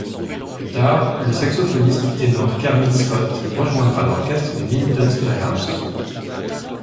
Plus tard, le saxophoniste ténor Kermit Scott rejoindra l'orchestre du Minton's Playhouse.